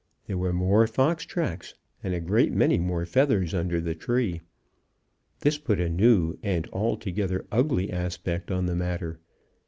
There were more fox tracks, and a great many more feathers under the tree. This put a new and altogether ugly aspect on the matter.